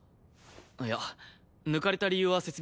いや抜かれた理由は説明つくよ。